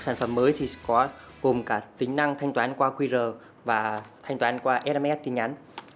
sản phẩm mới vô cùng cả tính năng thanh toán qua qr và sms tin chắn